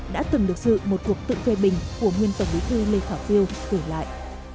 đã từng được dự một cuộc tự phê bình của nguyên tổng bí thư lê khả phiêu gửi lại